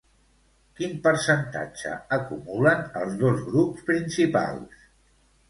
Quin percentatge acumulen els dos grups principals?